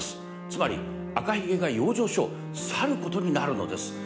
つまり、赤ひげが養生所を去ることになるのです。